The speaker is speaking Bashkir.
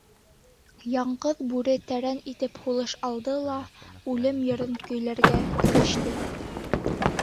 Яңғыҙ Бүре тәрән итеп һулыш алды ла Үлем Йырын көйләргә кереште.